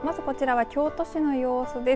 京都市の様子です。